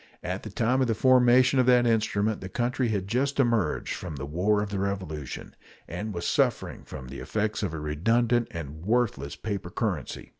At the time of the formation of that instrument the country had just emerged from the War of the Revolution, and was suffering from the effects of a redundant and worthless paper currency.